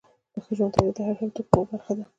د ښه ژوند تعریف د هر فرد د حقوقو برخه ده.